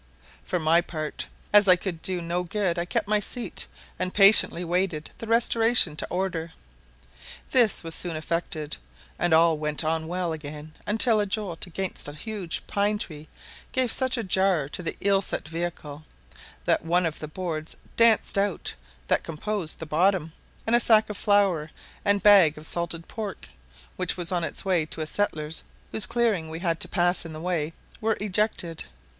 For my part, as I could do no good, I kept my seat, and patiently awaited the restoration to order. This was soon effected, and all went on well again till a jolt against a huge pine tree gave such a jar to the ill set vehicle, that one of the boards danced out that composed the bottom, and a sack of flour and bag of salted pork, which was on its way to a settler's, whose clearing we had to pass in the way, were ejected.